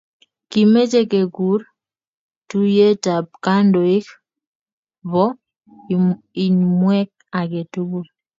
kimeche kekur tuyietab kandoik chbo imanwek age tugul